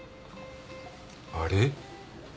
あれ？